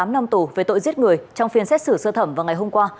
tám năm tù về tội giết người trong phiên xét xử sơ thẩm vào ngày hôm qua